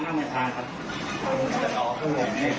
บอริโภคเตือนดู